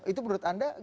itu menurut anda gimana